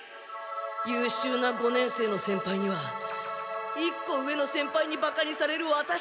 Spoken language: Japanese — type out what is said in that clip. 優しゅうな五年生の先輩には１個上の先輩にバカにされるワタシたちの気持ちなんて。